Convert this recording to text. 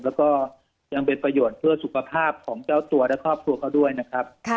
แล้วก็ยังเป็นประโยชน์เพื่อสุขภาพของเจ้าตัวและครอบครัวเขาด้วยนะครับ